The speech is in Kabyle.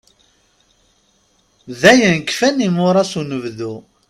Dayen kfan imuras unebdu.